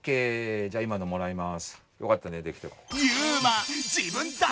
じゃあこれもらいます。